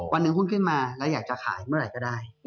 วันหนึ่งหุ้นขึ้นมาแล้วอยากจะขายเมื่อไหร่ก็ได้